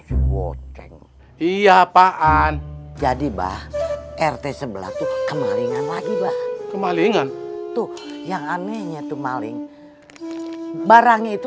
iya apaan jadi bah rt sebelah kemalingan lagi kemalingan tuh yang anehnya tumaling barang itu